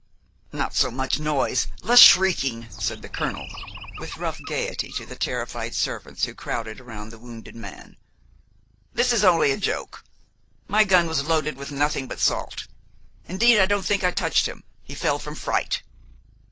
"Not so much noise! less shrieking!" said the colonel with rough gayety to the terrified servants who crowded around the wounded man; "this is only a joke; my gun was loaded with nothing but salt. Indeed I don't think I touched him; he fell from fright."